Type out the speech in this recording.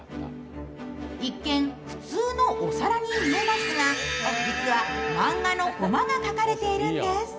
一見、普通のお皿に見えますが実は漫画のコマが描かれているんです。